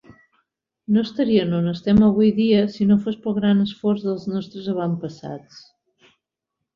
No estarien on estem avui dia si no fos pel gran esforç dels nostres avantpassats.